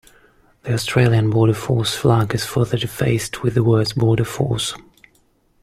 The Australian Border Force Flag is further defaced with the words "border force".